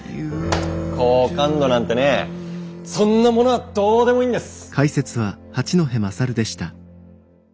好感度なんてねそんなものはどうでもいいんです。